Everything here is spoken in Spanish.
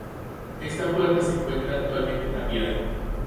Esta puerta se encuentra actualmente tapiada.